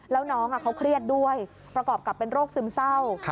แล้วน้องเขาเครียดด้วยประกอบกับเป็นโรคซึมเศร้า